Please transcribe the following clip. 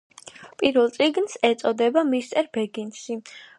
პირველ წიგნს ეწოდება „მისტერ ბეგინსი“.